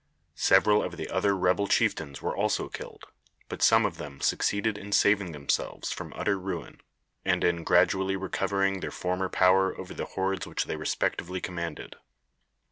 Several of the other rebel chieftains were also killed, but some of them succeeded in saving themselves from utter ruin, and in gradually recovering their former power over the hordes which they respectively commanded.